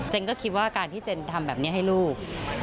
ก็คิดว่าการที่เจนทำแบบนี้ให้ลูก